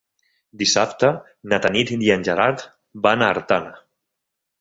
Dissabte na Tanit i en Gerard van a Artana.